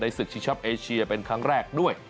ศึกชิงช็อปเอเชียเป็นครั้งแรกด้วย